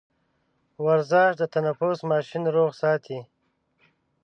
ورزش د تنفس ماشين روغ ساتي.